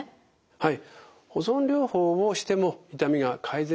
はい。